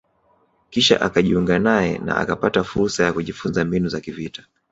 kisha akajiunga naye na akapata fursa ya kujifunza mbinu za kivita